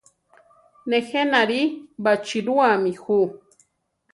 Nejé nari baʼchirúami ju.